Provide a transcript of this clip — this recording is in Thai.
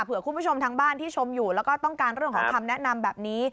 คุณผู้ชมทางบ้านที่ชมอยู่แล้วก็ต้องการเรื่องของคำแนะนำแบบนี้